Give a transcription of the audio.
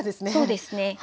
そうですねはい。